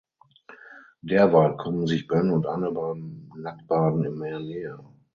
Derweil kommen sich Ben und Anne beim Nacktbaden im Meer näher.